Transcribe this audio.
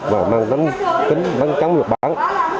và bán bánh trắng nhập bán